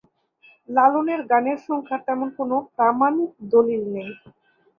লালনের গানের সংখ্যার তেমন কোন প্রামাণিক দলিল নেই।